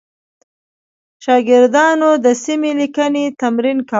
شاګردانو د سمې لیکنې تمرین کاوه.